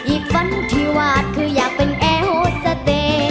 อีกฝันที่วาดคืออยากเป็นแอโฮสเต